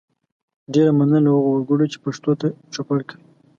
ډیره مننه له هغو وګړو چې پښتو ته چوپړ کوي